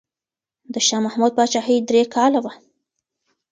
د شاه محمود پاچاهي درې کاله وه.